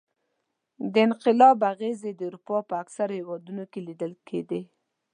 د انقلاب اغېزې د اروپا په اکثرو هېوادونو کې لیدل کېدې.